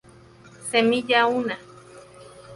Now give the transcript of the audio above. Semilla una.